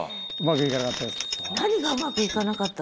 うまくいかなかった？